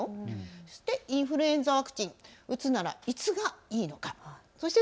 そしてインフルエンザワクチン打つならいつがいいのか。